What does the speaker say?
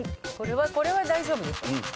これは大丈夫でしょ。